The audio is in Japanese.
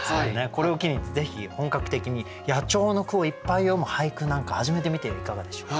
これを機にぜひ本格的に野鳥の句をいっぱい詠む俳句なんか始めてみてはいかがでしょう？